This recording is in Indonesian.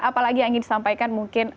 apa lagi yang ingin disampaikan mungkin